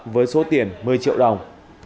với số tiền một mươi triệu đồng